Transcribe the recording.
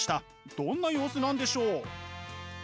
どんな様子なんでしょう！？